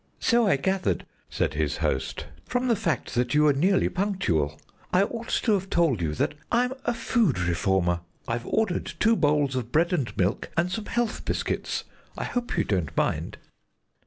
"So I gathered;" said his host, "from the fact that you were nearly punctual. I ought to have told you that I'm a Food Reformer. I've ordered two bowls of bread and milk and some health biscuits. I hope you don't mind."